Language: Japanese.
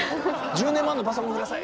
「１０年前のパソコンください！」